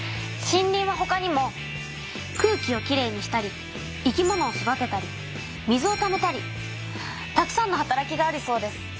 森林はほかにも空気をきれいにしたり生き物を育てたり水をためたりたくさんの働きがあるそうです。